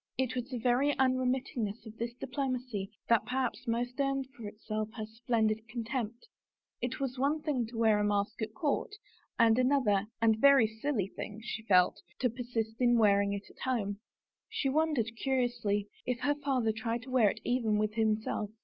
It was the very unremitting ness of this diplomacy that perhaps most earned for itself her splendid contempt; it was one thing to wear a mask at court, and another, and very silly thing, she felt, to persist in wearing it at home. She wondered, curiously, if her father tried to wear it even with him self.